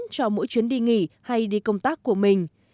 cho mỗi chuyến đi nghỉ hay đi công tác của mình